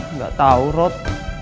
nggak tahu pak